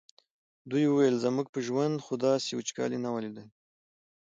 دوی ویل زموږ په ژوند خو داسې وچکالي نه وه لیدلې.